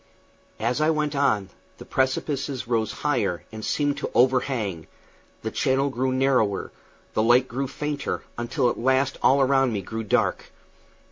As I went on, the precipices rose higher and seemed to overhang, the channel grew narrower, the light grew fainter, until at last all around me grew dark.